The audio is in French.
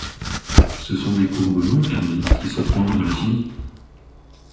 Ce sont des courbes non fermées, qui se prolongent à l’infini!